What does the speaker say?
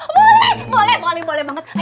oh boleh boleh boleh banget